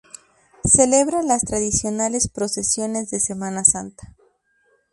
Celebra las tradicionales procesiones de Semana Santa.